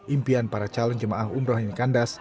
impian para calon jemaah umroh yang kandas